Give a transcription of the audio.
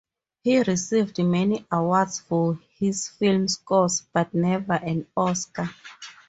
He received many awards for his film scores, but never an Oscar.